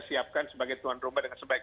siapkan sebagai tuan rumah dengan sebaik